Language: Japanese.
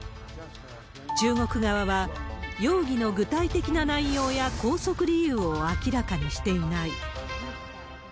中国側は、容疑の具体的な内容や拘束理由を明らかにしていない。